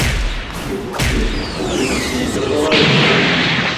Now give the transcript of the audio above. Yebded ucebbub-nnes mi teẓra azɣuɣ.